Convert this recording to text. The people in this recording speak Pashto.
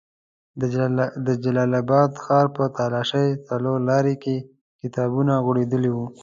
د جلال اباد ښار په تالاشۍ څلور لاري کې کتابونه غوړېدلي وو.